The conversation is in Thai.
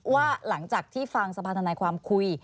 ว่าหลังจากที่ฟังสภาธนายความคุย